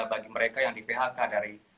bagi mereka yang di phk dari